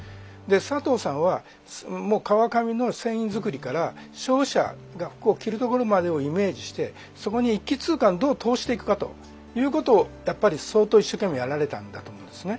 佐藤さんは川上の繊維作りから消費者が服を着るところまでをイメージしてそこに一気通貫どう通していくかということをやっぱり相当一生懸命やられたんだと思うんですね。